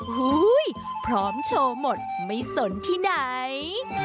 พร้อมโชว์หมดไม่สนที่ไหน